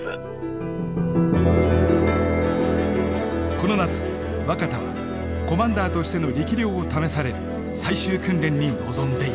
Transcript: この夏若田はコマンダーとしての力量を試される最終訓練に臨んでいた。